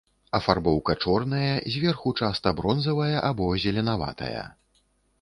Афарбоўка чорная, зверху часта бронзавая або зеленаватая.